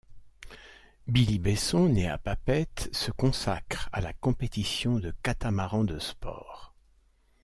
Billy Besson né à Papeete se consacre à la compétition de catamaran de sport.